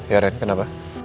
ya ren kenapa